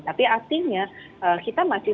tapi artinya kita masih